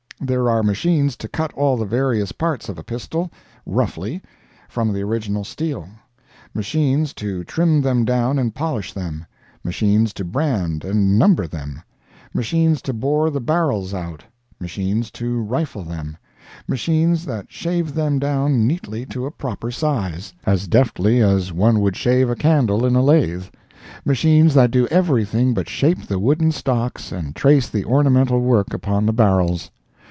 There are machines to cut all the various parts of a pistol, roughly, from the original steel; machines to trim them down and polish them; machines to brand and number them; machines to bore the barrels out; machines to rifle them; machines that shave them down neatly to a proper size, as deftly as one would shave a candle in a lathe; machines that do everything but shape the wooden stocks and trace the ornamental work upon the barrels.